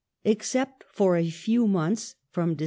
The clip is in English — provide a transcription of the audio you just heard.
Except for a few months (Dec.